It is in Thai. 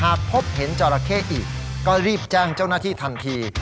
หากพบเห็นจราเข้อีกก็รีบแจ้งเจ้าหน้าที่ทันที